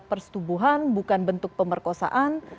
perstubuhan bukan bentuk pemerkosaan